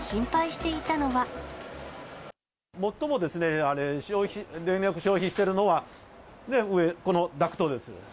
最もですね、電力消費しているのは、上、このダクトです。